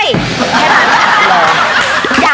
ให้พัน